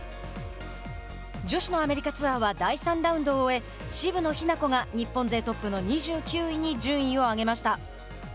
女子のアメリカツアーは第３ラウンドを終え渋野日向子が日本勢トップの２９位に順位を上げました。